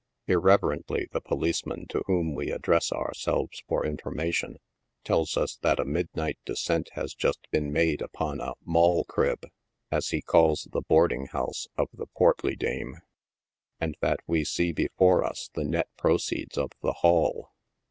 Irreverently the policeman to whom we address ourselves for information, tells us that a midnight descent has just been made upon a '.' moll crib," as he calls the " boarding house" of the portly dime, and that we see before us the net proceeds of the '"'haul."